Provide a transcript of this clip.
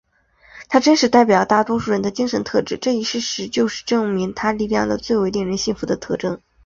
他真实代表了大多数人的精神特质这一事实就是证明他力量的最为令人信服的证据。